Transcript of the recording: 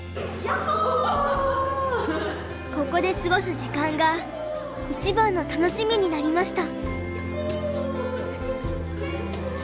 ここで過ごす時間がいちばんの楽しみになりました。